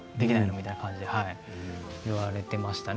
みたいな感じで言われていましたね